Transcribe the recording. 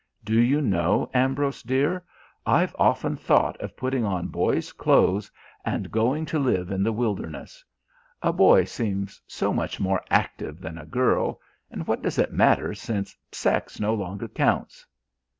Do you know, Ambrose dear, I've often thought of putting on boys' clothes and going to live in the wilderness. A boy seems so much more active than a girl, and what does it matter since sex no longer counts?"